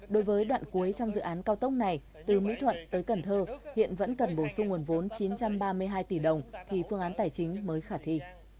đối với đoạn cuối trong dự án cao tốc này từ mỹ thuận tới cần thơ hiện vẫn cần bổ sung nguồn vốn chín trăm ba mươi hai tỷ đồng thì phương án tài chính mới khả thi